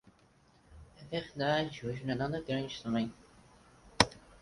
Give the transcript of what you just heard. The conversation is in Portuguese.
É verdade, hoje não é nada grande também.